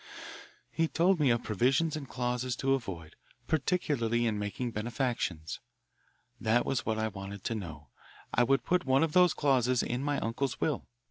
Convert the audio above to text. He told me of provisions and clauses to avoid, particularly in making benefactions. That was what I wanted to know. I would put one of those clauses in my uncle's will.